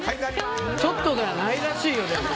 ちょっとではないらしいよ。